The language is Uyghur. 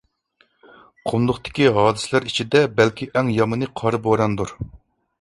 قۇملۇقتىكى ھادىسىلەر ئىچىدە بەلكى ئەڭ يامىنى قارا بوراندۇر.